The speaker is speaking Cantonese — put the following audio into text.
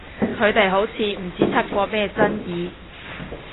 佢哋好似唔知出過咩爭議？